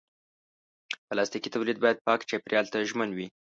پلاستيکي تولید باید پاک چاپېریال ته ژمن وي.